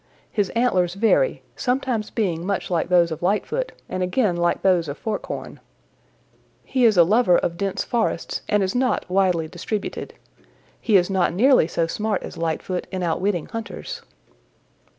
His antlers vary, sometimes being much like those of Lightfoot and again like those of Forkhorn. He is a lover of dense forests and is not widely distributed. He is not nearly so smart as Lightfoot in outwitting hunters.